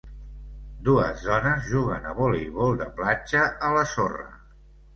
Dues dones juguen a voleibol de platja a la sorra.